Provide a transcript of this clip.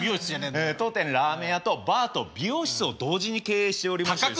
当店ラーメン屋とバーと美容室を同時に経営しておりまして。